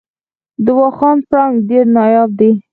د واخان پړانګ ډیر نایاب دی